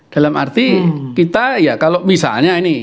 dalam arti kita ya kalau misalnya ini